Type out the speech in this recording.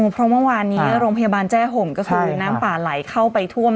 พะว่าวานนี้โรงพยาบาลแจ้ห่วงก็สอนดูน้ำป่าไหลเข้าไปท่วม